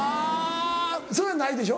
それないでしょ？